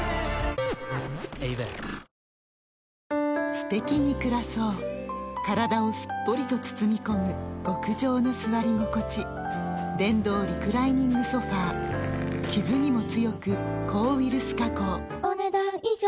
すてきに暮らそう体をすっぽりと包み込む極上の座り心地電動リクライニングソファ傷にも強く抗ウイルス加工お、ねだん以上。